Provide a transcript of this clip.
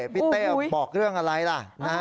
พี่เต้บอกเรื่องอะไรล่ะ